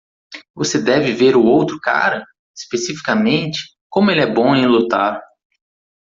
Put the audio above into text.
Você deve ver o outro cara? especificamente? como ele é bom em lutar.